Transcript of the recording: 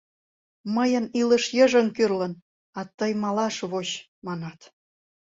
Мыйын илыш йыжыҥ кӱрлын, а тый малаш воч, манат...